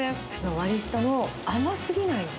割り下が甘すぎないんです。